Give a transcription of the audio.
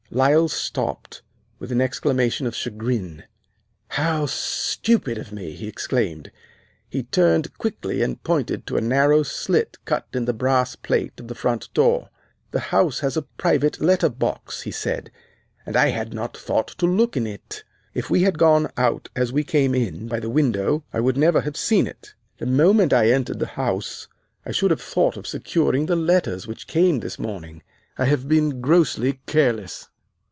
"Lyle stopped, with an exclamation of chagrin. "'How stupid of me!' he exclaimed. He turned quickly and pointed to a narrow slit cut in the brass plate of the front door. 'The house has a private letter box,' he said, 'and I had not thought to look in it! If we had gone out as we came in, by the window, I would never have seen it. The moment I entered the house I should have thought of securing the letters which came this morning. I have been grossly careless.